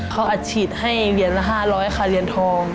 เขาอัดฉีดให้เหรียญละ๕๐๐ค่ะเหรียญทอง